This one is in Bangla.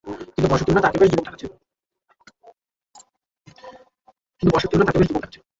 কিন্তু বয়সের তুলনায় তাকে বেশ যুবক দেখাচ্ছিল।